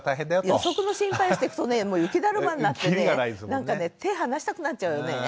予測の心配をしてくとね雪だるまになってねなんかね手はなしたくなっちゃうよね。